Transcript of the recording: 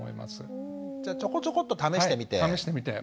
ちょこちょこっと試してみて？